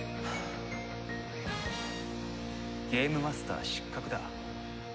ゲームマスター失格だ。